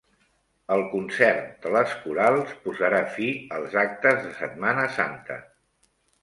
El concert de les corals posarà fi als actes de Setmana Santa.